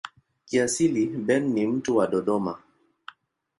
Kiasili Ben ni mtu wa Dodoma.